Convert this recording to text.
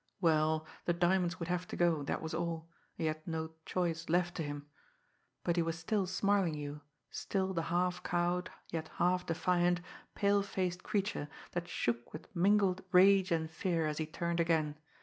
Well, the diamonds would have to go, that was all he had no choice left to him. But he was still "Smarlinghue," still the half cowed, yet half defiant, pale faced creature that shook with mingled rage and fear, as he turned again.